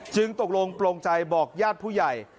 จึงตกลงปลงใจบอกยาดผู้ใหญ่